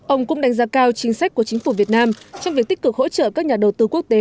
ông cũng đánh giá cao chính sách của chính phủ việt nam trong việc tích cực hỗ trợ các nhà đầu tư quốc tế